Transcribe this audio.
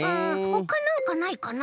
ほかなんかないかな？